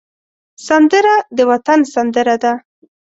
سندره د وطن سندره ده